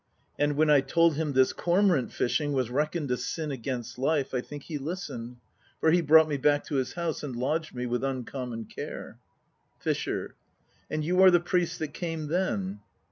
And when I told him this cormorant fishing was reckoned a sin against life, I think he listened; for he brought me back to his house and lodged me with uncommon care. FISHER. And you are the priest that came then?